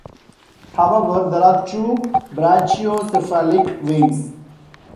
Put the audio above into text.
However, there are two brachiocephalic veins.